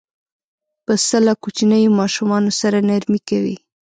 پسه له کوچنیو ماشومانو سره نرمي کوي.